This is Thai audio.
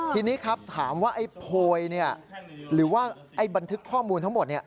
ทีนี้ครับถามว่าไอ้โพยหรือว่าไอ้บันทึกข้อมูลทั้งหมด